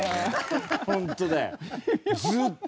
本当だよ。